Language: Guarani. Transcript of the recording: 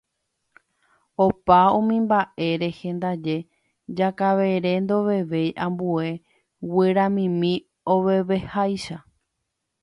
Opa umi mba'e rehe ndaje Jakavere ndovevéi ambue guyramimi oveveháicha.